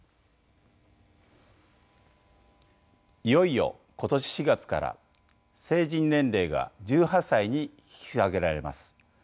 いよいよ今年４月から成人年齢が１８歳に引き下げられます。